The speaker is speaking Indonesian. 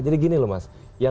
jadi gini loh mas